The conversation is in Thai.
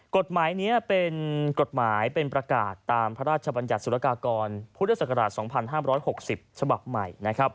กฎหมายนี้เป็นประกาศตามพระราชบรรยาศสุรกากรพุทธศักราช๒๕๖๐ฉบับใหม่